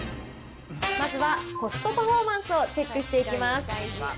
まずはコストパフォーマンスをチェックしていきます。